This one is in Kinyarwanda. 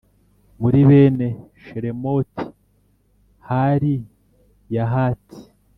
muri bene Shelomoti hari Yahati